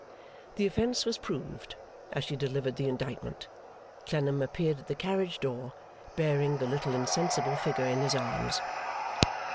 The offence was proved, as she delivered the indictment. Clennam appeared at the carriage door, bearing the little insensible figure in his arms.